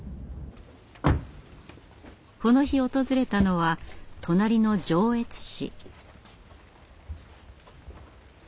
この日訪れたのは隣の上越市。